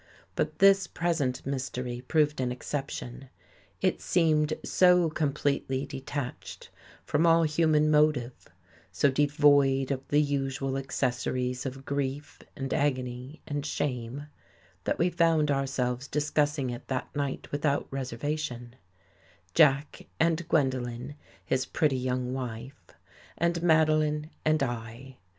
But this present mystery proved an exception. It seemed so completely detached from all human mo tive, so devoid of the usual accessories of grief, and agony, and shame, that we found ourselves discussing it that night without reservation — Jack and Gwen dolen, his pretty young wife, and Madeline and I.